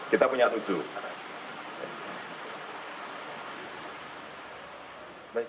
kita punya tujuh